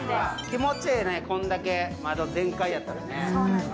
気持ちええなこんだけ窓全開やったらね。